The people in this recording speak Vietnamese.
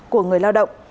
của người lao động